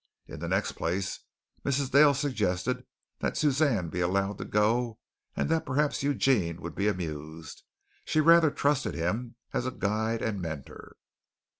In the next place, Mrs. Dale suggested that Suzanne be allowed to go and that perhaps Eugene would be amused. She rather trusted him as a guide and mentor.